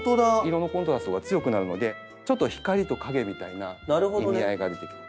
色のコントラストが強くなるのでちょっと光と影みたいな意味合いが出てきて。